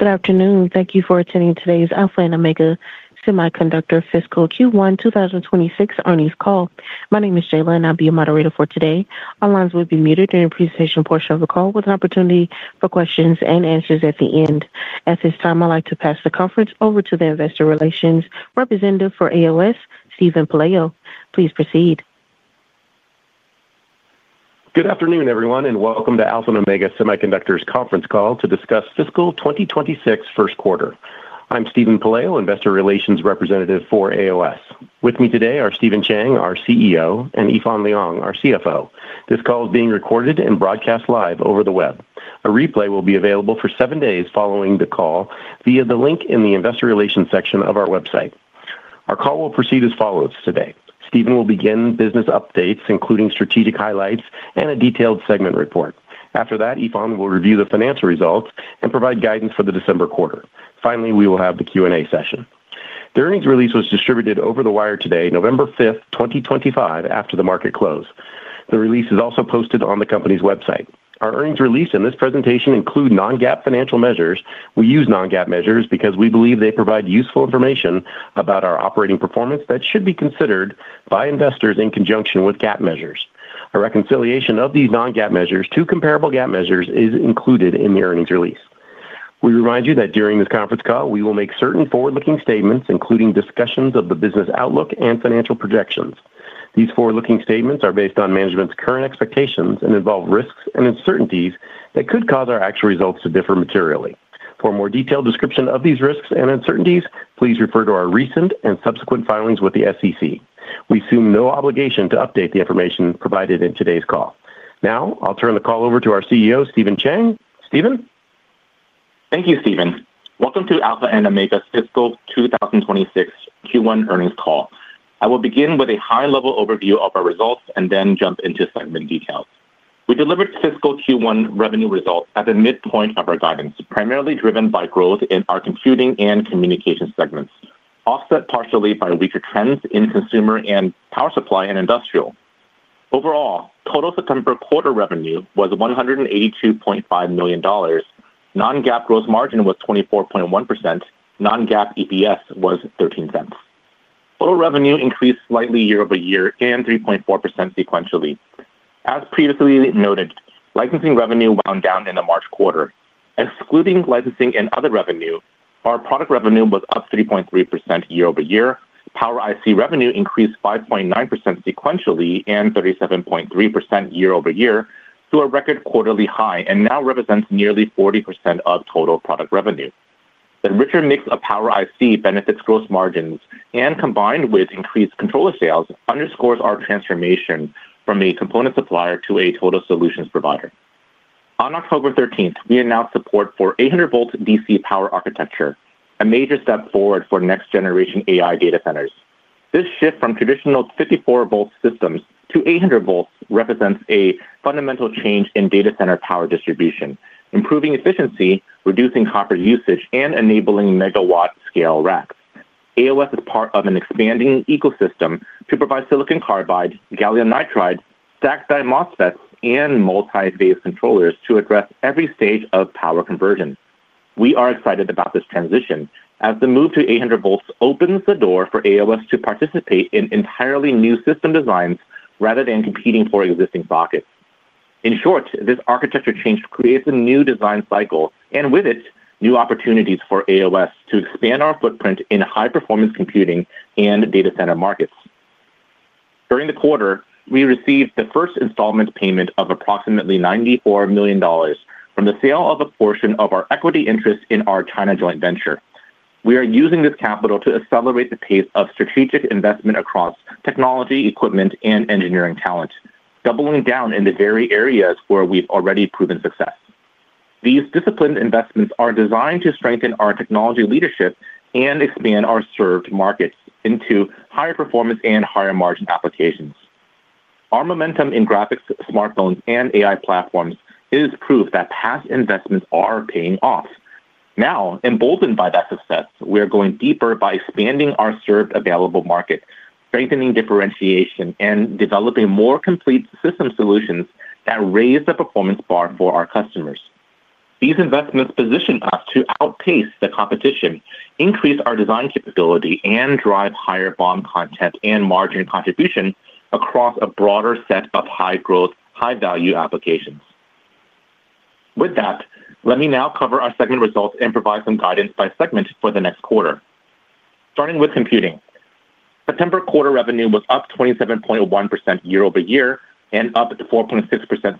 Good afternoon. Thank you for attending today's Alpha and Omega Semiconductor Fiscal Q1 2026 Earnings Call. My name is Jaylen, and I'll be your moderator for today. All lines will be muted during the presentation portion of the call, with an opportunity for questions and answers at the end. At this time, I'd like to pass the conference over to the Investor Relations Representative for AOS, Steven Pelayo. Please proceed. Good afternoon, everyone, and welcome to Alpha and Omega Semiconductor's conference call to discuss fiscal 2026 first quarter. I'm Steven Pelayo, Investor Relations Representative for AOS. With me today are Stephen Chang, our CEO, and Yifan Liang, our CFO. This call is being recorded and broadcast live over the web. A replay will be available for seven days following the call via the link in the Investor Relations section of our website. Our call will proceed as follows today. Stephen will begin business updates, including strategic highlights and a detailed segment report. After that, Yifan will review the financial results and provide guidance for the December quarter. Finally, we will have the Q&A session. The earnings release was distributed over the wire today, November 5, 2025, after the market close. The release is also posted on the company's website. Our earnings release and this presentation include non-GAAP financial measures. We use non-GAAP measures because we believe they provide useful information about our operating performance that should be considered by investors in conjunction with GAAP measures. A reconciliation of these non-GAAP measures to comparable GAAP measures is included in the earnings release. We remind you that during this conference call, we will make certain forward-looking statements, including discussions of the business outlook and financial projections. These forward-looking statements are based on management's current expectations and involve risks and uncertainties that could cause our actual results to differ materially. For a more detailed description of these risks and uncertainties, please refer to our recent and subsequent filings with the SEC. We assume no obligation to update the information provided in today's call. Now, I'll turn the call over to our CEO, Stephen Chang. Stephen? Thank you, Steven. Welcome to Alpha and Omega's fiscal 2026 Q1 earnings call. I will begin with a high-level overview of our results and then jump into segment details. We delivered fiscal Q1 revenue results at the midpoint of our guidance, primarily driven by growth in our computing and communications segments, offset partially by weaker trends in consumer and power supply and industrial. Overall, total September quarter revenue was $182.5 million. Non-GAAP gross margin was 24.1%. Non-GAAP EPS was $0.13. Total revenue increased slightly year over year and 3.4% sequentially. As previously noted, licensing revenue wound down in the March quarter. Excluding licensing and other revenue, our product revenue was up 3.3% year over year. Power IC revenue increased 5.9% sequentially and 37.3% year over year to a record quarterly high and now represents nearly 40% of total product revenue. The richer mix of Power IC benefits gross margins and, combined with increased controller sales, underscores our transformation from a component supplier to a total solutions provider. On October 13, we announced support for 800-volt DC power architecture, a major step forward for next-generation AI data centers. This shift from traditional 54-volt systems to 800 volts represents a fundamental change in data center power distribution, improving efficiency, reducing copper usage, and enabling megawatt-scale racks. AOS is part of an expanding ecosystem to provide silicon carbide, gallium nitride, stacked diamond MOSFETs, and multi-phase controllers to address every stage of power conversion. We are excited about this transition as the move to 800 volts opens the door for AOS to participate in entirely new system designs rather than competing for existing sockets. In short, this architecture change creates a new design cycle, and with it, new opportunities for AOS to expand our footprint in high-performance computing and data center markets. During the quarter, we received the first installment payment of approximately $94 million from the sale of a portion of our equity interest in our China joint venture. We are using this capital to accelerate the pace of strategic investment across technology, equipment, and engineering talent, doubling down in the very areas where we've already proven success. These disciplined investments are designed to strengthen our technology leadership and expand our served markets into higher performance and higher margin applications. Our momentum in graphics, smartphones, and AI platforms is proof that past investments are paying off. Now, emboldened by that success, we are going deeper by expanding our served available market, strengthening differentiation, and developing more complete system solutions that raise the performance bar for our customers. These investments position us to outpace the competition, increase our design capability, and drive higher BOM content and margin contribution across a broader set of high-growth, high-value applications. With that, let me now cover our segment results and provide some guidance by segment for the next quarter. Starting with computing, September quarter revenue was up 27.1% year over year and up 4.6%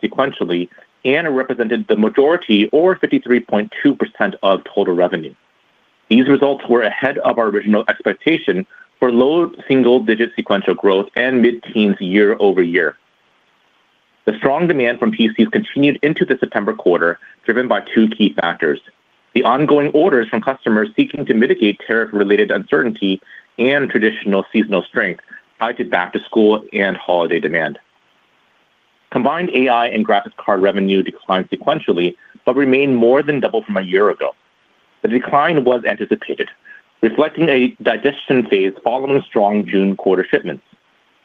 sequentially and represented the majority or 53.2% of total revenue. These results were ahead of our original expectation for low single-digit sequential growth and mid-teens year over year. The strong demand from PCs continued into the September quarter, driven by two key factors: the ongoing orders from customers seeking to mitigate tariff-related uncertainty and traditional seasonal strength tied to back-to-school and holiday demand. Combined AI and graphics card revenue declined sequentially but remained more than double from a year ago. The decline was anticipated, reflecting a digestion phase following strong June quarter shipments.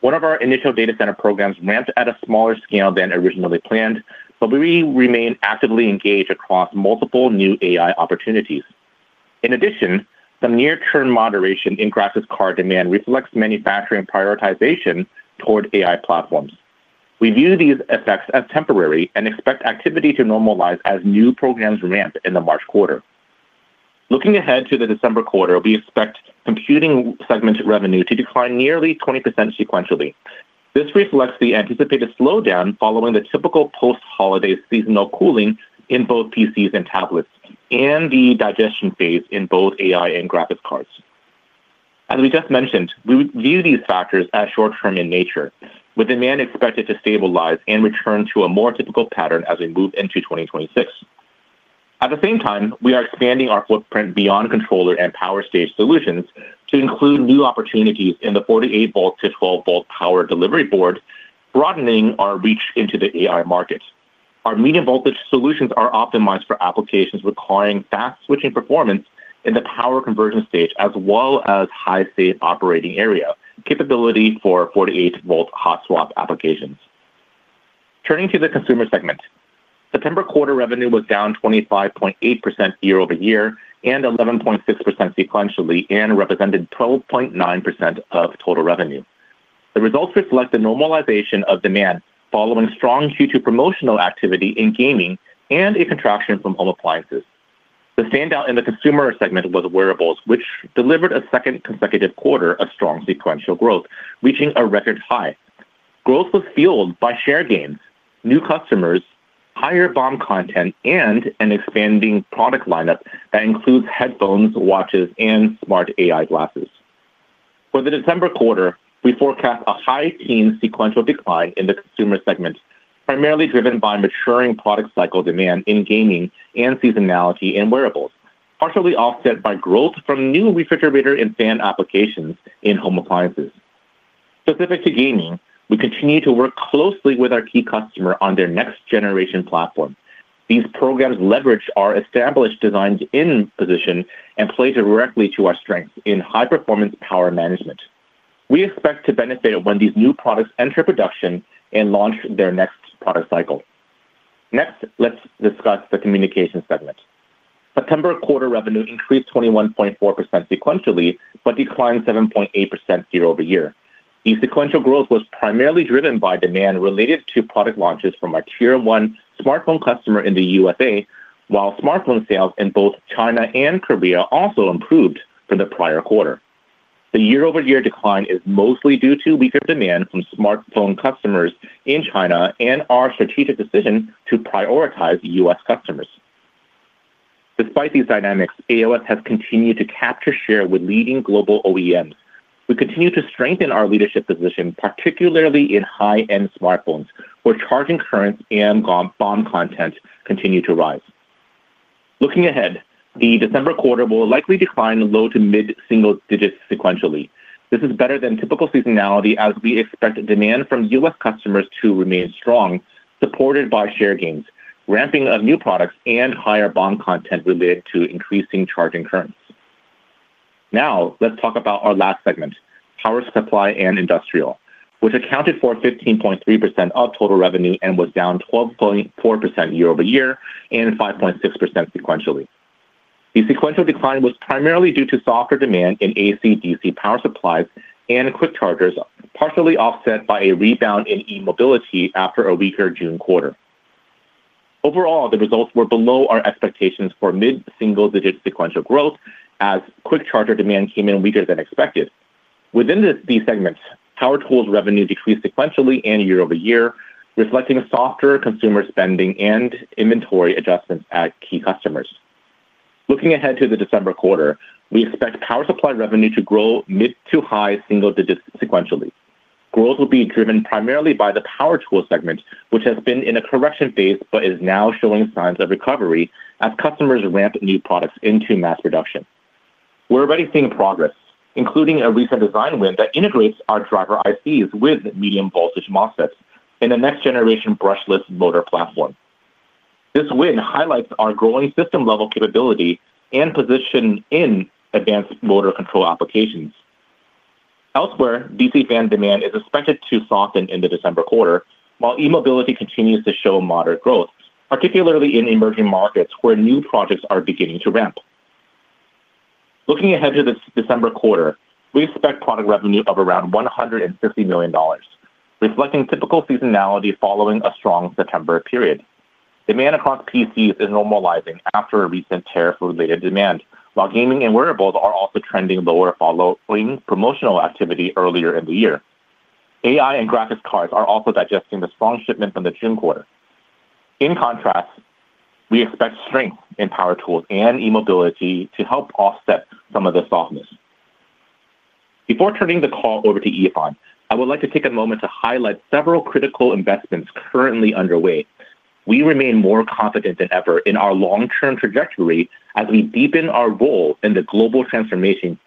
One of our initial data center programs ramped at a smaller scale than originally planned, but we remain actively engaged across multiple new AI opportunities. In addition, some near-term moderation in graphics card demand reflects manufacturing prioritization toward AI platforms. We view these effects as temporary and expect activity to normalize as new programs ramp in the March quarter. Looking ahead to the December quarter, we expect computing segment revenue to decline nearly 20% sequentially. This reflects the anticipated slowdown following the typical post-holiday seasonal cooling in both PCs and tablets and the digestion phase in both AI and graphics cards. As we just mentioned, we view these factors as short-term in nature, with demand expected to stabilize and return to a more typical pattern as we move into 2026. At the same time, we are expanding our footprint beyond controller and power stage solutions to include new opportunities in the 48-volt to 12-volt power delivery board, broadening our reach into the AI market. Our medium-voltage solutions are optimized for applications requiring fast switching performance in the power conversion stage as well as high-stage operating area capability for 48-volt hot swap applications. Turning to the consumer segment, September quarter revenue was down 25.8% year over year and 11.6% sequentially and represented 12.9% of total revenue. The results reflect the normalization of demand following strong Q2 promotional activity in gaming and a contraction from home appliances. The standout in the consumer segment was wearables, which delivered a second consecutive quarter of strong sequential growth, reaching a record high. Growth was fueled by share gains, new customers, higher BOM content, and an expanding product lineup that includes headphones, watches, and smart AI glasses. For the December quarter, we forecast a high-teens sequential decline in the consumer segment, primarily driven by maturing product cycle demand in gaming and seasonality in wearables, partially offset by growth from new refrigerator and fan applications in home appliances. Specific to gaming, we continue to work closely with our key customer on their next-generation platform. These programs leverage our established designs in position and play directly to our strengths in high-performance power management. We expect to benefit when these new products enter production and launch their next product cycle. Next, let's discuss the communications segment. September quarter revenue increased 21.4% sequentially but declined 7.8% year over year. The sequential growth was primarily driven by demand related to product launches from our Tier 1 smartphone customer in the U.S., while smartphone sales in both China and Korea also improved from the prior quarter. The year-over-year decline is mostly due to weaker demand from smartphone customers in China and our strategic decision to prioritize U.S/ customers. Despite these dynamics, AOS has continued to capture share with leading global OEMs. We continue to strengthen our leadership position, particularly in high-end smartphones, where charging currents and BOM content continue to rise. Looking ahead, the December quarter will likely decline low to mid-single digits sequentially. This is better than typical seasonality as we expect demand from U.S. customers to remain strong, supported by share gains, ramping of new products, and higher BOM content related to increasing charging currents. Now, let's talk about our last segment, power supply and industrial, which accounted for 15.3% of total revenue and was down 12.4% year over year and 5.6% sequentially. The sequential decline was primarily due to softer demand in AC-DC power supplies and quick chargers, partially offset by a rebound in e-mobility after a weaker June quarter. Overall, the results were below our expectations for mid-single digit sequential growth as quick charger demand came in weaker than expected. Within these segments, power tools revenue decreased sequentially and year over year, reflecting softer consumer spending and inventory adjustments at key customers. Looking ahead to the December quarter, we expect power supply revenue to grow mid to high single digits sequentially. Growth will be driven primarily by the power tool segment, which has been in a correction phase but is now showing signs of recovery as customers ramp new products into mass production. We're already seeing progress, including a recent design win that integrates our driver ICs with medium-voltage MOSFET in a next-generation brushless motor platform. This win highlights our growing system-level capability and position in advanced motor control applications. Elsewhere, DC fan demand is expected to soften in the December quarter, while e-mobility continues to show moderate growth, particularly in emerging markets where new projects are beginning to ramp. Looking ahead to the December quarter, we expect product revenue of around $150 million, reflecting typical seasonality following a strong September period. Demand across PCs is normalizing after recent tariff-related demand, while gaming and wearables are also trending lower following promotional activity earlier in the year. AI and graphics cards are also digesting the strong shipment from the June quarter. In contrast, we expect strength in power tools and e-mobility to help offset some of the softness. Before turning the call over to Yifan, I would like to take a moment to highlight several critical investments currently underway. We remain more confident than ever in our long-term trajectory as we deepen our role in the global transformation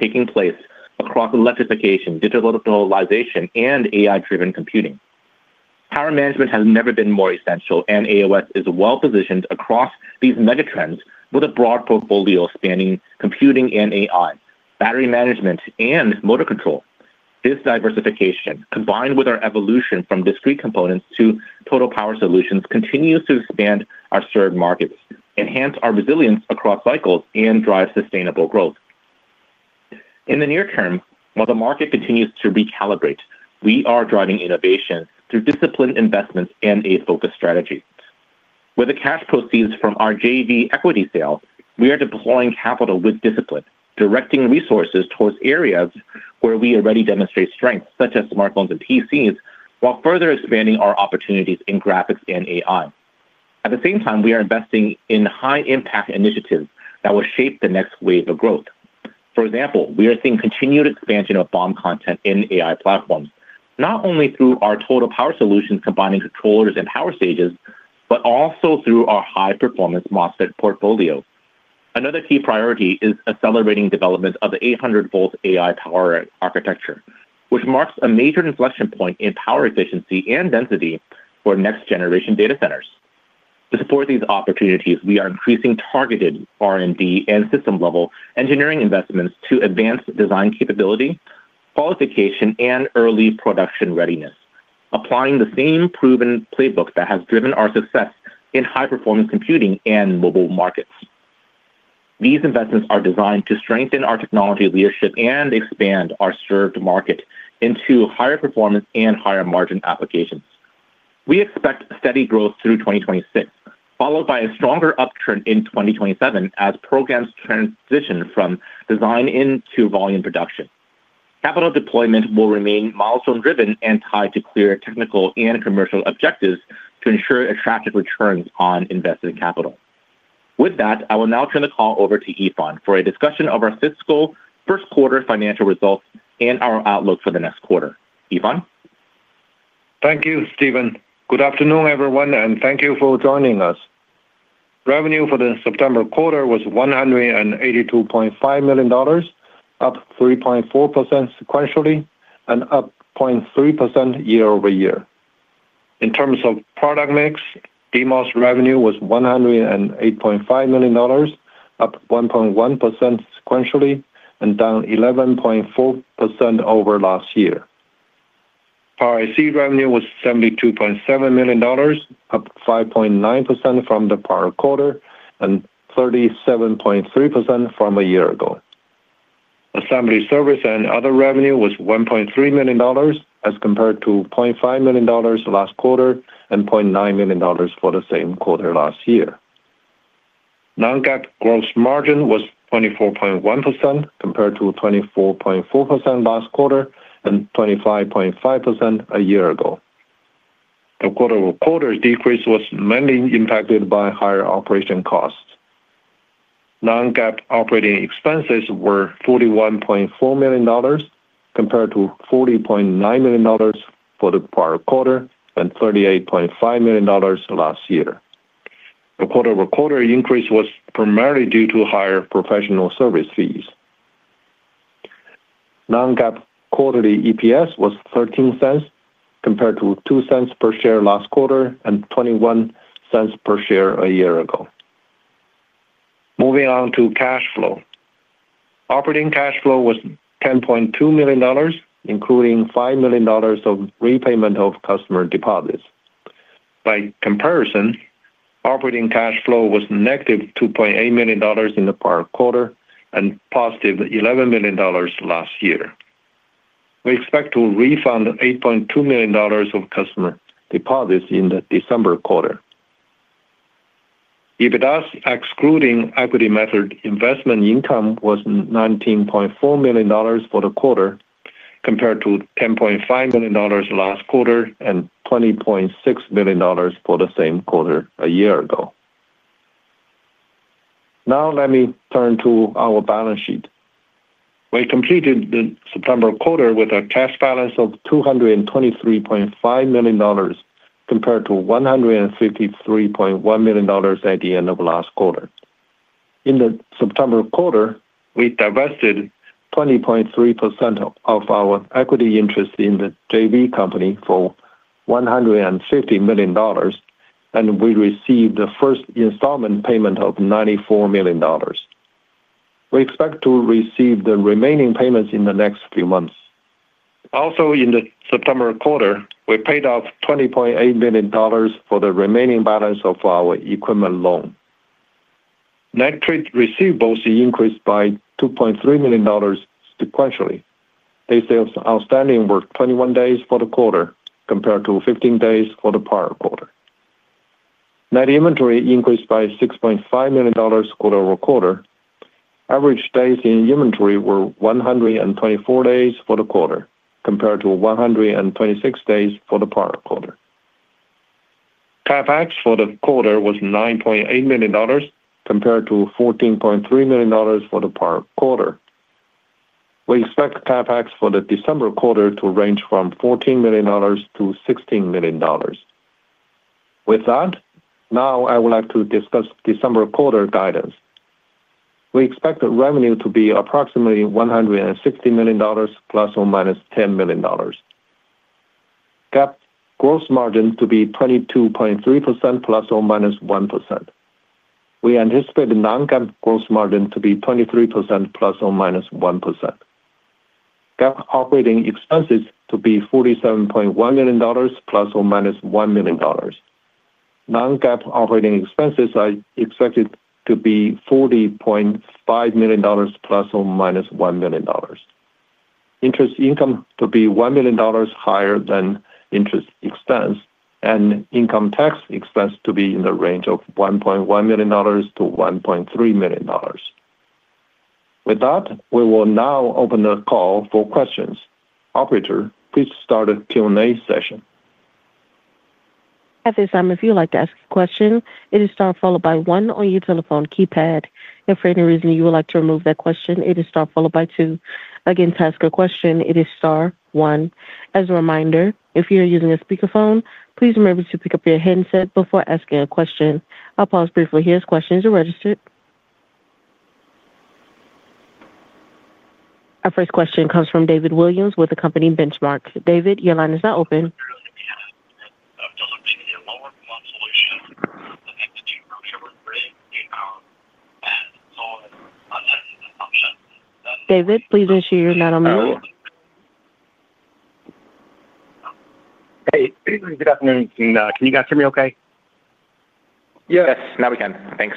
taking place across electrification, digitalization, and AI-driven computing. Power management has never been more essential, and AOS is well-positioned across these mega trends with a broad portfolio spanning computing and AI, battery management, and motor control. This diversification, combined with our evolution from discrete components to total power solutions, continues to expand our served markets, enhance our resilience across cycles, and drive sustainable growth. In the near term, while the market continues to recalibrate, we are driving innovation through disciplined investments and a focused strategy. With the cash proceeds from our JV equity sale, we are deploying capital with discipline, directing resources towards areas where we already demonstrate strength, such as smartphones and PCs, while further expanding our opportunities in graphics and AI. At the same time, we are investing in high-impact initiatives that will shape the next wave of growth. For example, we are seeing continued expansion of BOM content in AI platforms, not only through our total power solutions combining controllers and power stages, but also through our high-performance MOSFET portfolio. Another key priority is accelerating development of the 800-volt AI power architecture, which marks a major inflection point in power efficiency and density for next-generation data centers. To support these opportunities, we are increasing targeted R&D and system-level engineering investments to advance design capability, qualification, and early production readiness, applying the same proven playbook that has driven our success in high-performance computing and mobile markets. These investments are designed to strengthen our technology leadership and expand our served market into higher performance and higher margin applications. We expect steady growth through 2026, followed by a stronger upturn in 2027 as programs transition from design into volume production. Capital deployment will remain milestone-driven and tied to clear technical and commercial objectives to ensure attractive returns on invested capital. With that, I will now turn the call over to Yifan for a discussion of our fiscal first-quarter financial results and our outlook for the next quarter. Yifan? Thank you, Stephen. Good afternoon, everyone, and thank you for joining us. Revenue for the September quarter was $182.5 million, up 3.4% sequentially and up 0.3% year over year. In terms of product mix, DMOS revenue was $108.5 million, up 1.1% sequentially and down 11.4% over last year. Power IC revenue was $72.7 million, up 5.9% from the prior quarter and 37.3% from a year ago. Assembly service and other revenue was $1.3 million as compared to $0.5 million last quarter and $0.9 million for the same quarter last year. Non-GAAP gross margin was 24.1% compared to 24.4% last quarter and 25.5% a year ago. The quarter-over-quarter decrease was mainly impacted by higher operating costs. Non-GAAP operating expenses were $41.4 million compared to $40.9 million for the prior quarter and $38.5 million last year. The quarter-over-quarter increase was primarily due to higher professional service fees. Non-GAAP quarterly EPS was $0.13 compared to $0.02 per share last quarter and $0.21 per share a year ago. Moving on to cash flow. Operating cash flow was $10.2 million, including $5 million of repayment of customer deposits. By comparison, operating cash flow was negative $2.8 million in the prior quarter and positive $11 million last year. We expect to refund $8.2 million of customer deposits in the December quarter. EBITDA's excluding equity method investment income was $19.4 million for the quarter compared to $10.5 million last quarter and $20.6 million for the same quarter a year ago. Now, let me turn to our balance sheet. We completed the September quarter with a cash balance of $223.5 million compared to $153.1 million at the end of last quarter. In the September quarter, we divested 20.3% of our equity interest in the JV company for $150 million, and we received the first installment payment of $94 million. We expect to receive the remaining payments in the next few months. Also, in the September quarter, we paid off $20.8 million for the remaining balance of our equipment loan. Net credit receivables increased by $2.3 million sequentially. They saw outstanding work 21 days for the quarter compared to 15 days for the prior quarter. Net inventory increased by $6.5 million quarter-over-quarter. Average days in inventory were 124 days for the quarter compared to 126 days for the prior quarter. CapEx for the quarter was $9.8 million compared to $14.3 million for the prior quarter. We expect CapEx for the December quarter to range from $14 million to $16 million. With that, now I would like to discuss December quarter guidance. We expect revenue to be approximately $160 million plus or minus $10 million. GAAP gross margin to be 22.3% plus or minus 1%. We anticipate the non-GAAP gross margin to be 23% plus or minus 1%. GAAP operating expenses to be $47.1 million plus or minus $1 million. Non-GAAP operating expenses are expected to be $40.5 million plus or minus $1 million. Interest income to be $1 million higher than interest expense, and income tax expense to be in the range of $1.1 million-$1.3 million. With that, we will now open the call for questions. Operator, please start a Q&A session. At this time, if you would like to ask a question, it is star followed by one on your telephone keypad. If for any reason you would like to remove that question, it is star followed by two. Again, to ask a question, it is star one. As a reminder, if you are using a speakerphone, please remember to pick up your headset before asking a question. I'll pause briefly here as questions are registered. Our first question comes from David Williams with the company Benchmark. David, your line is now open. David, please ensure you're not on mute. Hey, good afternoon. Can you guys hear me okay? Yes, now we can. Thanks.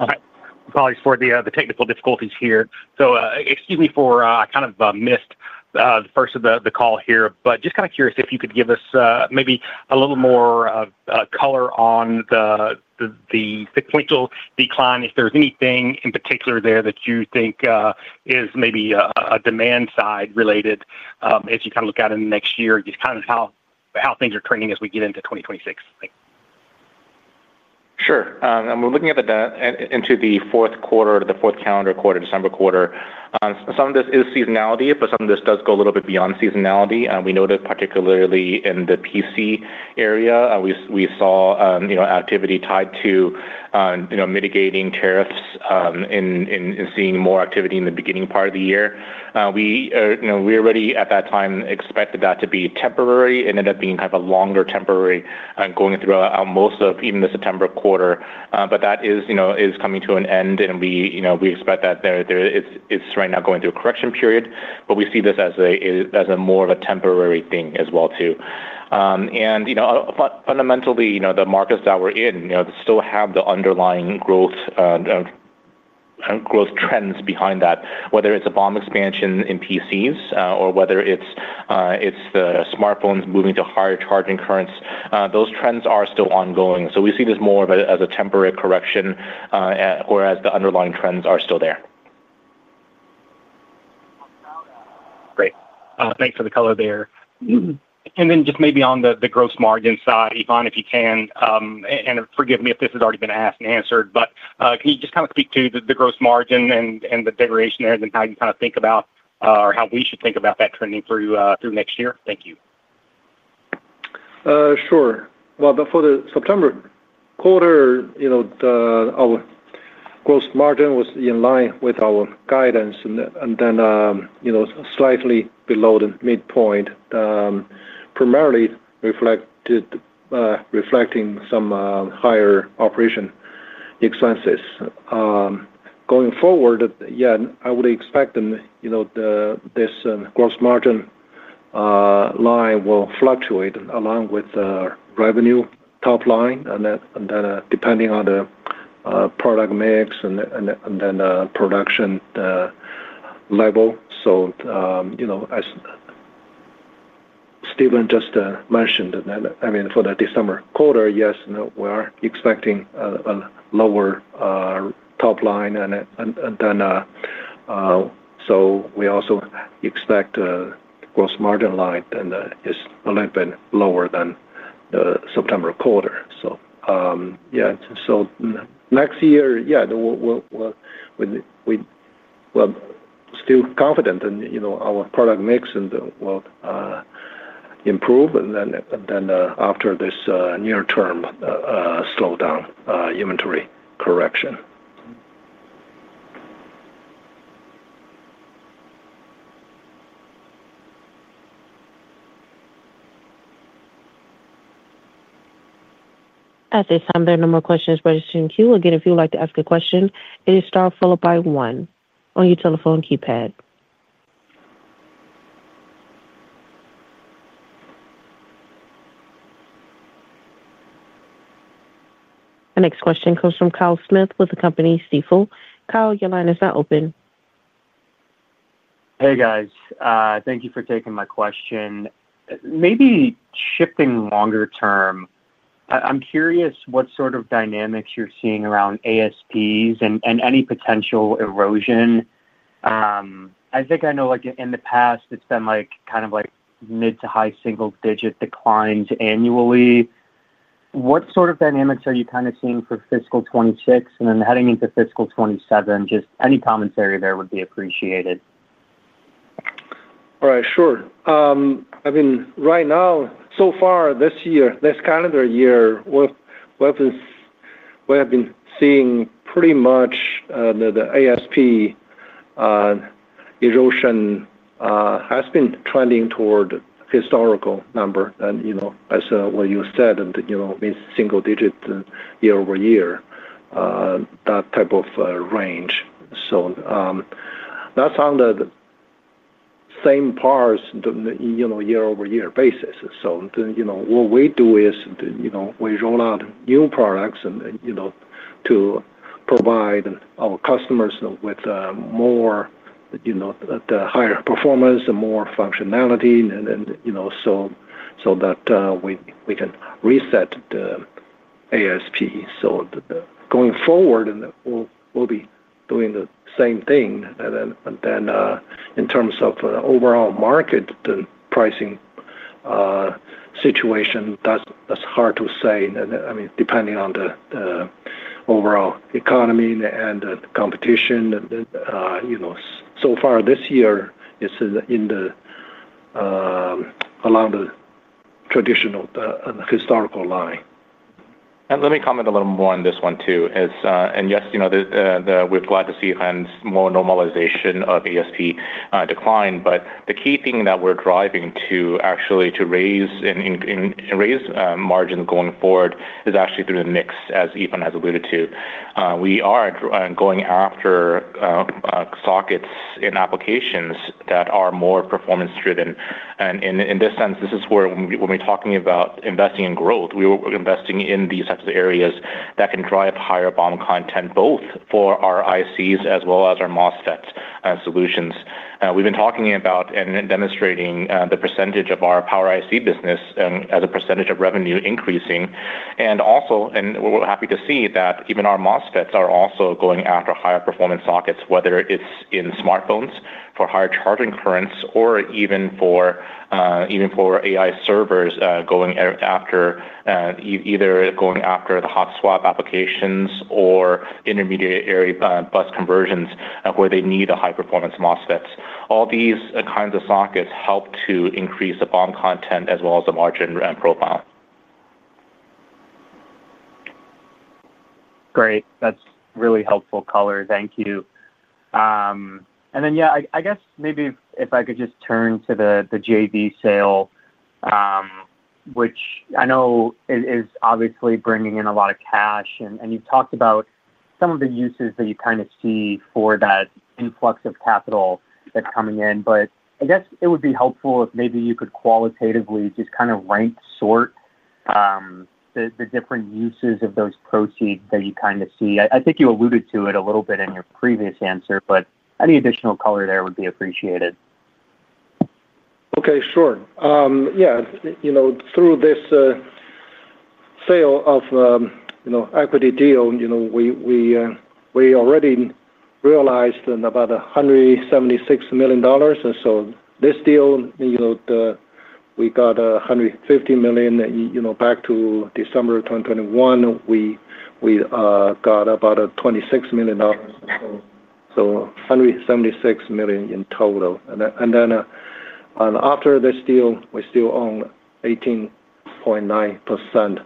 All right. Apologies for the technical difficulties here. Excuse me, for I kind of missed the first of the call here, but just kind of curious if you could give us maybe a little more color on the sequential decline, if there's anything in particular there that you think is maybe a demand-side related as you kind of look out in the next year, just kind of how things are trending as we get into 2026. Sure. We are looking into the fourth quarter, the fourth calendar quarter, December quarter. Some of this is seasonality, but some of this does go a little bit beyond seasonality. We noticed particularly in the PC area, we saw activity tied to mitigating tariffs and seeing more activity in the beginning part of the year. We already at that time expected that to be temporary, ended up being kind of a longer temporary going through most of even the September quarter. That is coming to an end, and we expect that it's right now going through a correction period, but we see this as more of a temporary thing as well too. Fundamentally, the markets that we're in still have the underlying growth. Trends behind that, whether it's a BOM expansion in PCs or whether it's the smartphones moving to higher charging currents, those trends are still ongoing. We see this more of as a temporary correction, whereas the underlying trends are still there. Great. Thanks for the color there. Just maybe on the gross margin side, Yifan, if you can, and forgive me if this has already been asked and answered, but can you just kind of speak to the gross margin and the degradation there and then how you kind of think about or how we should think about that trending through next year? Thank you. Sure. For the September quarter, our gross margin was in line with our guidance, and then slightly below the midpoint, primarily reflecting some higher operation expenses. Going forward, I would expect this gross margin line will fluctuate along with the revenue top line, and then depending on the product mix and the production level. As Stephen just mentioned, for the December quarter, yes, we are expecting a lower top line, and then. We also expect the gross margin line is a little bit lower than the September quarter. Yeah. Next year, yeah. We are still confident that our product mix will improve and then after this near-term slowdown, inventory correction. At this time, there are no more questions registered in queue. Again, if you would like to ask a question, it is star followed by one on your telephone keypad. The next question comes from Kyle Smith with the company Stifel. Kyle, your line is now open. Hey, guys. Thank you for taking my question. Maybe shifting longer term, I'm curious what sort of dynamics you're seeing around ASPs and any potential erosion. I think I know in the past, it's been kind of mid to high single-digit declines annually. What sort of dynamics are you kind of seeing for fiscal 2026 and then heading into fiscal 2027? Just any commentary there would be appreciated. All right. Sure. I mean, right now, so far this year, this calendar year, we have been seeing pretty much the ASP erosion has been trending toward historical numbers and as what you said, and it's single-digit year over year, that type of range. That's on the same parts year-over-year basis. What we do is we roll out new products to provide our customers with more, the higher performance and more functionality so that we can reset the ASP. Going forward, we'll be doing the same thing. In terms of the overall market, the pricing situation, that's hard to say. I mean, depending on the overall economy and the competition. So far this year, it's along the traditional historical line. Let me comment a little more on this one too. Yes, we're glad to see more normalization of ASP decline, but the key thing that we're driving to actually to raise margins going forward is actually through the mix, as Yifan has alluded to. We are going after sockets in applications that are more performance-driven. In this sense, this is where when we're talking about investing in growth, we're investing in these types of areas that can drive higher BOM content, both for our ICs as well as our MOSFET solutions. We've been talking about and demonstrating the percentage of our Power IC business as a percentage of revenue increasing. We're happy to see that even our MOSFETs are also going after higher performance sockets, whether it's in smartphones for higher charging currents or even for AI servers going after. Either going after the hot swap applications or intermediate bus conversions where they need a high-performance MOSFET. All these kinds of sockets help to increase the BOM content as well as the margin profile. Great. That is really helpful color. Thank you. I guess maybe if I could just turn to the JV sale, which I know is obviously bringing in a lot of cash. You have talked about some of the uses that you kind of see for that influx of capital that is coming in, but I guess it would be helpful if maybe you could qualitatively just kind of rank sort the different uses of those proceeds that you kind of see. I think you alluded to it a little bit in your previous answer, but any additional color there would be appreciated. Okay. Sure. Through this sale of equity deal, we already realized about $176 million. This deal, we got $150 million back in December 2021. We got about $26 million, so $176 million in total. After this deal, we're still on 18.9%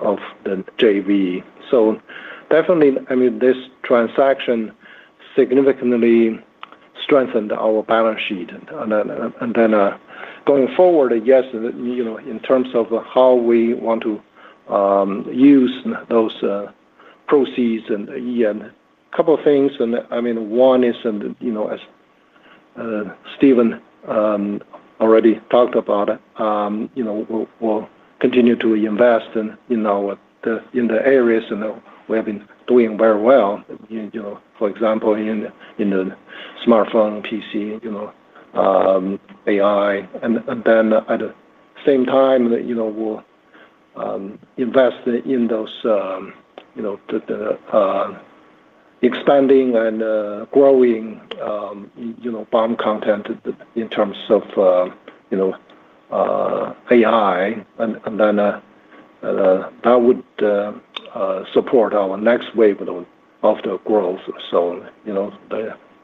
of the JV. Definitely, I mean, this transaction significantly strengthened our balance sheet. Going forward, yes, in terms of how we want to use those proceeds, a couple of things. I mean, one is, as Stephen already talked about, we'll continue to invest in the areas we have been doing very well. For example, in the smartphone, PC, AI. At the same time, we'll invest in those expanding and growing BOM content in terms of AI. That would support our next wave of the growth.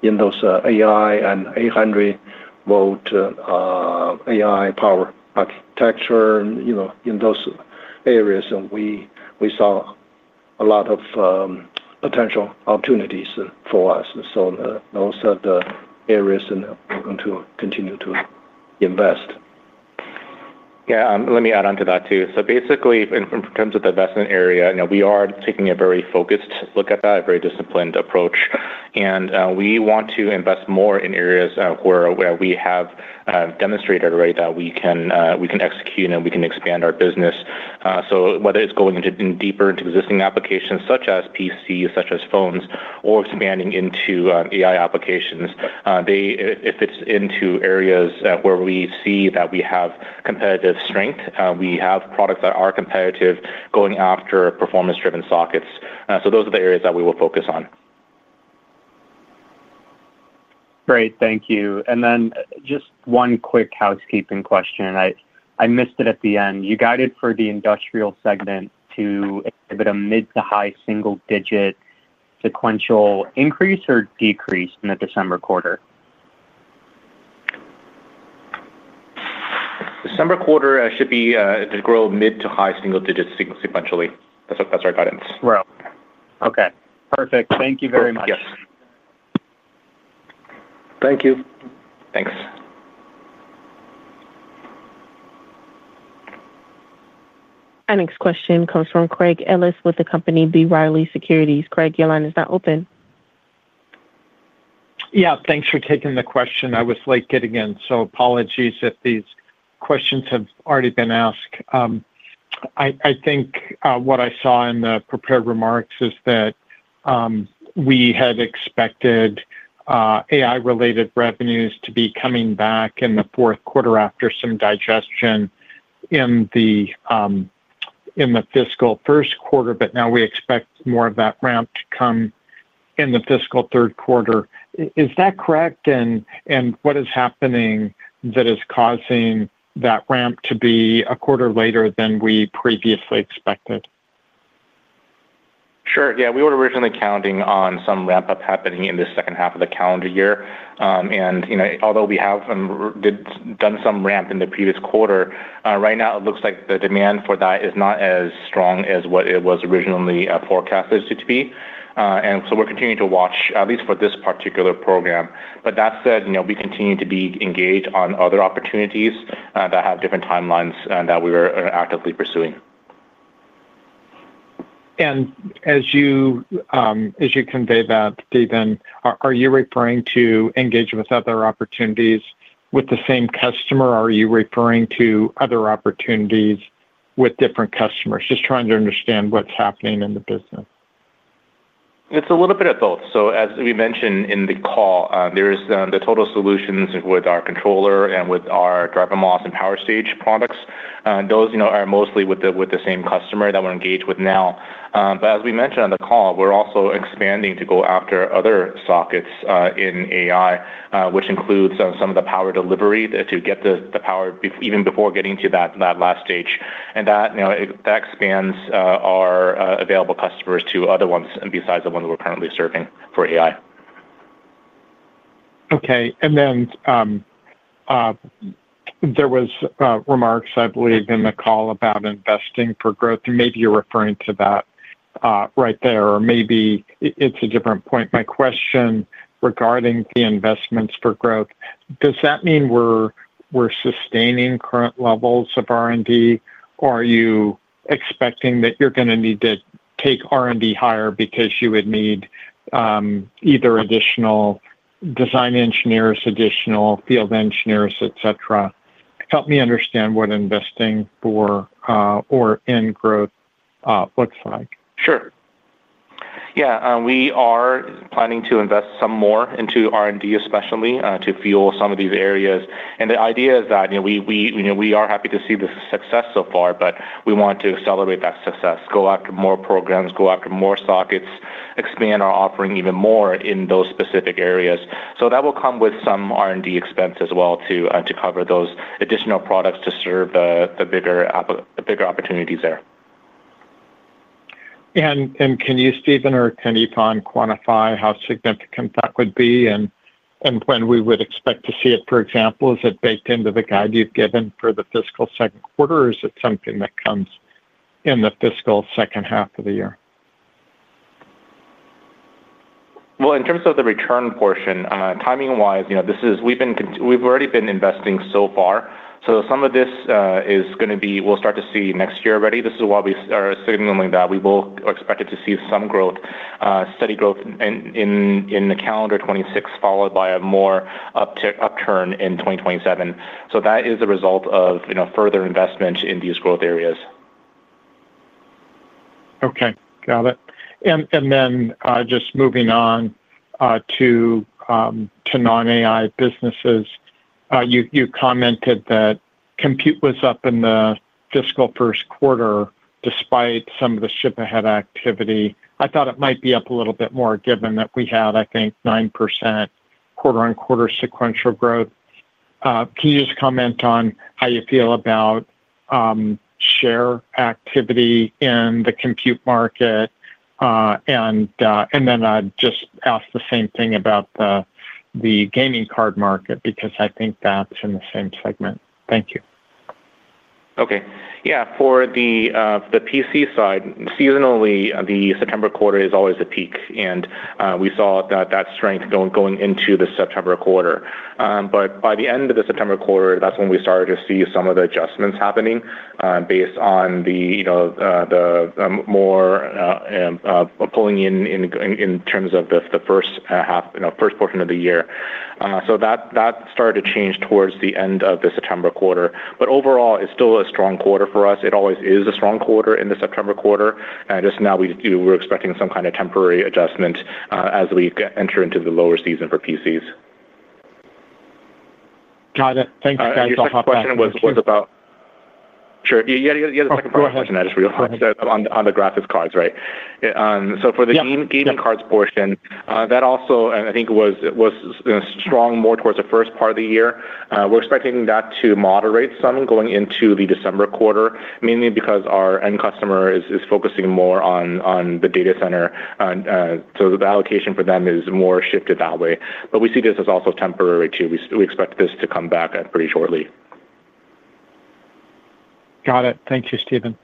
In those AI and 800-volt AI power architecture, in those areas, we saw a lot of potential opportunities for us. Those are the areas we're going to continue to invest. Yeah. Let me add on to that too. Basically, in terms of the investment area, we are taking a very focused look at that, a very disciplined approach. We want to invest more in areas where we have demonstrated already that we can execute and we can expand our business. Whether it's going deeper into existing applications such as PCs, such as phones, or expanding into AI applications. If it's into areas where we see that we have competitive strength, we have products that are competitive going after performance-driven sockets. Those are the areas that we will focus on. Great. Thank you. And then just one quick housekeeping question. I missed it at the end. You guided for the industrial segment to exhibit a mid to high single-digit sequential increase or decrease in the December quarter. December quarter should be to grow mid to high single-digit sequentially. That's our guidance. Right. Okay. Perfect. Thank you very much. Yes. Thank you. Thanks. Our next question comes from Craig Ellis with the company B. Riley Securities. Craig, your line is now open. Yeah. Thanks for taking the question. I was late getting in, so apologies if these questions have already been asked. I think what I saw in the prepared remarks is that we had expected AI-related revenues to be coming back in the fourth quarter after some digestion in the fiscal first quarter, but now we expect more of that ramp to come in the fiscal third quarter. Is that correct? What is happening that is causing that ramp to be a quarter later than we previously expected? Sure. Yeah. We were originally counting on some ramp-up happening in the second half of the calendar year. Although we have done some ramp in the previous quarter, right now, it looks like the demand for that is not as strong as what it was originally forecasted to be. We are continuing to watch, at least for this particular program. That said, we continue to be engaged on other opportunities that have different timelines that we are actively pursuing. As you convey that, Stephen, are you referring to engaging with other opportunities with the same customer? Are you referring to other opportunities with different customers? Just trying to understand what's happening in the business. It's a little bit of both. As we mentioned in the call, there is the total solutions with our controller and with our DrMOS and power stage products. Those are mostly with the same customer that we're engaged with now. As we mentioned on the call, we're also expanding to go after other sockets in AI, which includes some of the power delivery to get the power even before getting to that last stage. That expands our available customers to other ones besides the ones we're currently serving for AI. Okay. There were remarks, I believe, in the call about investing for growth. Maybe you're referring to that right there, or maybe it's a different point. My question regarding the investments for growth, does that mean we're sustaining current levels of R&D, or are you expecting that you're going to need to take R&D higher because you would need. Either additional design engineers, additional field engineers, et cetera.? Help me understand what investing for or in growth looks like. Sure. Yeah. We are planning to invest some more into R&D, especially to fuel some of these areas. The idea is that we are happy to see the success so far, but we want to accelerate that success, go after more programs, go after more sockets, expand our offering even more in those specific areas. That will come with some R&D expense as well to cover those additional products to serve the bigger opportunities there. Can you, Stephen, or can Yifan quantify how significant that would be and when we would expect to see it? For example, is it baked into the guide you've given for the fiscal second quarter, or is it something that comes in the fiscal second half of the year? In terms of the return portion, timing-wise, we've already been investing so far. Some of this is going to be we'll start to see next year already. This is why we are signaling that we will expect to see some growth, steady growth in calendar 2026, followed by a more upturn in 2027. That is the result of further investment in these growth areas. Okay. Got it. And then just moving on to non-AI businesses. You commented that compute was up in the fiscal first quarter despite some of the ship-ahead activity. I thought it might be up a little bit more given that we had, I think, 9% quarter-on-quarter sequential growth. Can you just comment on how you feel about share activity in the compute market? And then I just asked the same thing about the gaming card market because I think that's in the same segment. Thank you. Okay. Yeah. For the PC side, seasonally, the September quarter is always a peak. We saw that strength going into the September quarter. By the end of the September quarter, that's when we started to see some of the adjustments happening based on the more pulling in terms of the first portion of the year. That started to change towards the end of the September quarter. Overall, it's still a strong quarter for us. It always is a strong quarter in the September quarter. Just now, we were expecting some kind of temporary adjustment as we enter into the lower season for PCs. Got it. Thank you, guys. I'll hop back. Question was about.-- Sure. Yeah. The second part of the question, I just realized, on the graphics cards, right? For the gaming cards portion, that also, I think, was strong more towards the first part of the year. We're expecting that to moderate some going into the December quarter, mainly because our end customer is focusing more on the data center. The allocation for them is more shifted that way. We see this as also temporary too. We expect this to come back pretty shortly. Got it. Thank you, Stephen.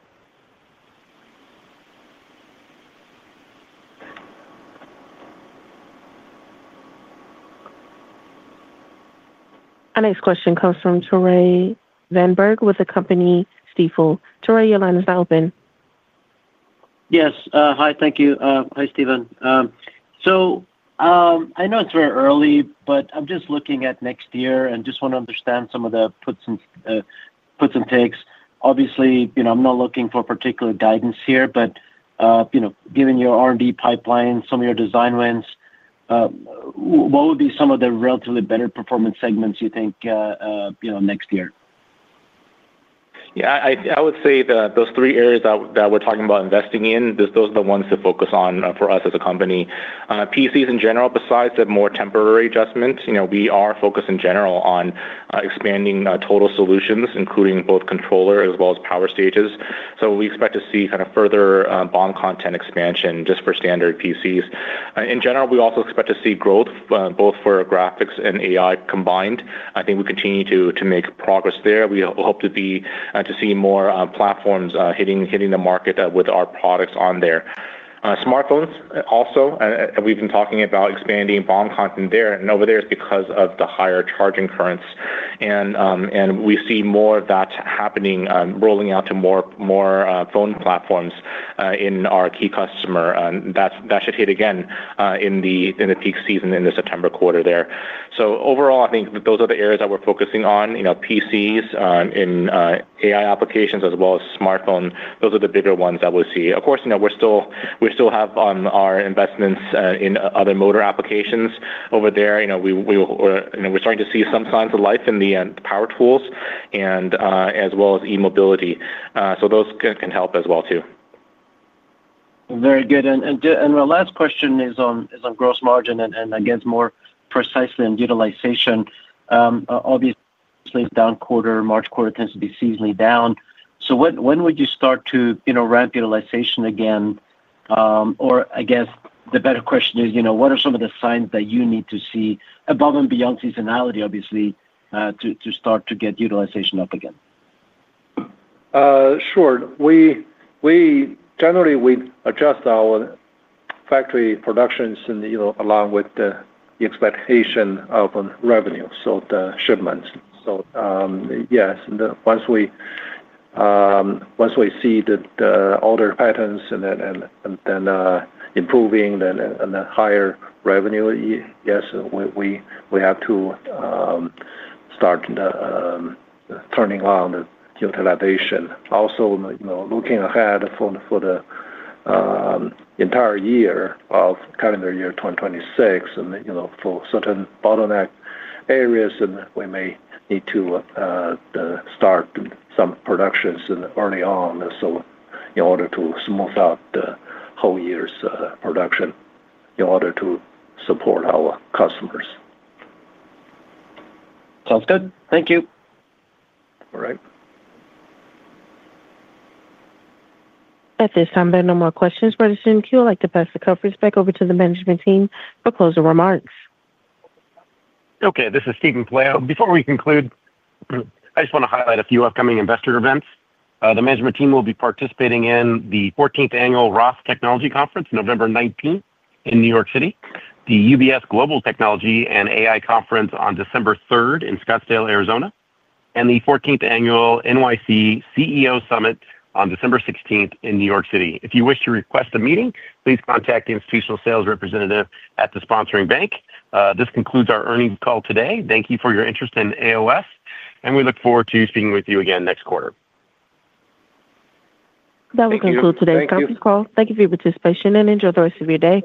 Our next question comes from Tore Svanberg with the company Stifel. Tore, your line is now open. Yes. Hi. Thank you. Hi, Stephen. I know it's very early, but I'm just looking at next year and just want to understand some of the puts and takes. Obviously, I'm not looking for particular guidance here, but given your R&D pipeline, some of your design wins. What would be some of the relatively better performance segments you think. Next year? Yeah. I would say those three areas that we're talking about investing in, those are the ones to focus on for us as a company. PCs in general, besides the more temporary adjustments, we are focused in general on expanding total solutions, including both controllers as well as power stages. We expect to see kind of further BOM content expansion just for standard PCs. In general, we also expect to see growth both for graphics and AI combined. I think we continue to make progress there. We hope to see more platforms hitting the market with our products on there. Smartphones also, and we've been talking about expanding BOM content there. Over there, it is because of the higher charging currents. We see more of that happening, rolling out to more phone platforms in our key customer. That should hit, again, in the peak season in the September quarter there. Overall, I think those are the areas that we're focusing on. PCs in AI applications as well as smartphones. Those are the bigger ones that we see. Of course, we still have our investments in other motor applications over there. We're starting to see some signs of life in the power tools as well as e-mobility. Those can help as well too. Very good. My last question is on gross margin and, I guess, more precisely on utilization. Obviously, down quarter, March quarter tends to be seasonally down. When would you start to ramp utilization again? I guess the better question is, what are some of the signs that you need to see above and beyond seasonality, obviously, to start to get utilization up again? Sure. Generally, we adjust our factory productions along with the expectation of revenue, so the shipments. Yes, once we see the older patterns and then improving and higher revenue, yes, we have to start turning on the utilization. Also, looking ahead for the entire year of calendar year 2026, for certain bottleneck areas, we may need to start some productions early on in order to smooth out the whole year's production in order to support our customers. Sounds good. Thank you. All right. At this time, there are no more questions for the Zoom queue. I'd like to pass the conference back over to the management team for closing remarks. Okay. This is Steven Pelayo. Before we conclude, I just want to highlight a few upcoming investor events. The management team will be participating in the 14th Annual ROTH Technology Conference, November 19th, in New York City, the UBS Global Technology and AI Conference on December 3rd in Scottsdale, Arizona, and the 14th Annual NYC CEO Summit on December 16th in New York City. If you wish to request a meeting, please contact the institutional sales representative at the sponsoring bank. This concludes our earnings call today. Thank you for your interest in AOS, and we look forward to speaking with you again next quarter. That will conclude today's conference call. Thank you for your participation and enjoy the rest of your day.